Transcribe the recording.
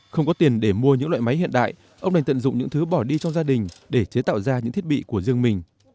không có tiền để mua những loại máy hiện đại ông này tận dụng những thứ bỏ đi trong gia đình để chế tạo ra những thiết bị của riêng mình